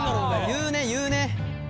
言うね言うね。